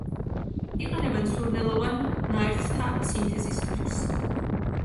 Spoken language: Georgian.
იყენებენ სურნელოვან ნაერთთა სინთეზისათვის.